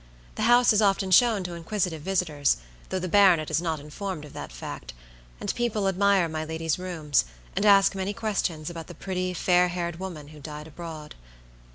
The house is often shown to inquisitive visitors, though the baronet is not informed of that fact, and people admire my lady's rooms, and ask many questions about the pretty, fair haired woman who died abroad.